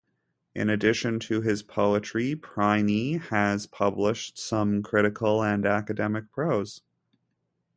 In addition to his poetry, Prynne has published some critical and academic prose.